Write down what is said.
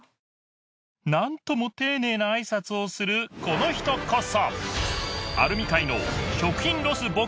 なんとも丁寧なあいさつをするこの人こそ！